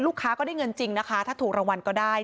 ก็ได้เงินจริงนะคะถ้าถูกรางวัลก็ได้